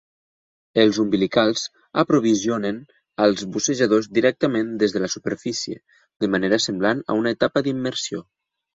Els umbilicals aprovisionen als bussejadors directament des de la superfície, de manera semblant a una etapa d'immersió.